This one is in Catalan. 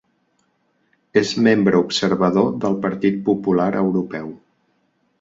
És membre observador del Partit Popular Europeu.